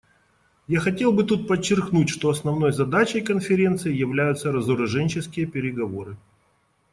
Я хотел бы тут подчеркнуть, что основной задачей Конференции являются разоруженческие переговоры.